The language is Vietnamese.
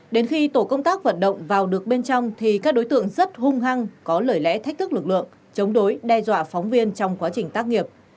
đến khi tổ công tác vận động vào được bên trong thì các đối tượng rất hung hăng có lời lẽ thách thức lực lượng chống đối đe dọa phóng viên trong quá trình tác nghiệp